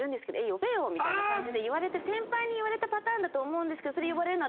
「呼べよ」みたいな感じで言われて先輩に言われたパターンだと思うんですけど。